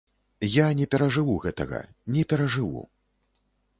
Я не перажыву гэтага, не перажыву.